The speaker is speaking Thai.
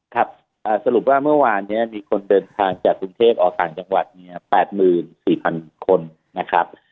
ครับอ่าสรุปว่าเมื่อวานเนี่ยมีคนเดินผ่านจากสุนเทศออกการจังหวัดเนี่ย๘หมื่นคนนะครับ